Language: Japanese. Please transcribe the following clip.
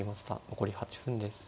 残り８分です。